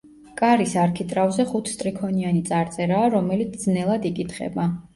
კარის არქიტრავზე ხუთსტრიქონიანი წარწერაა, რომელიც ძნელად იკითხება.